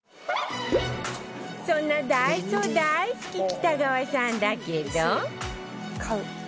そんなダイソー大好き北川さんだけど